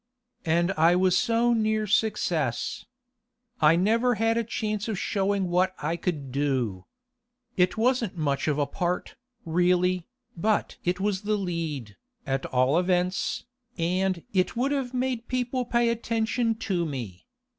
And I was so near success. I had never had a chance of showing what I could do. It wasn't much of a part, really, but it was the lead, at all events, and it would have made people pay attention to me.